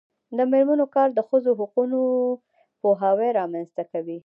د میرمنو کار د ښځو حقونو پوهاوی رامنځته کوي.